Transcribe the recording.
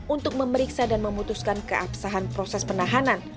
untuk memeriksa dan memutuskan keabsahan proses penahanan